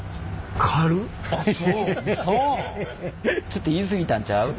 ちょっと言い過ぎたんちゃう？